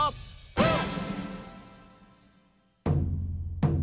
うん！